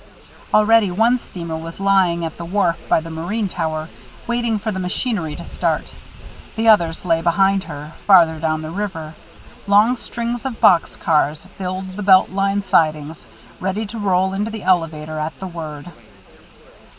Already one steamer was lying at the wharf by the marine tower, waiting for the machinery to start, and others lay behind her, farther down the river. Long strings of box cars filled the Belt Line sidings, ready to roll into the elevator at the word.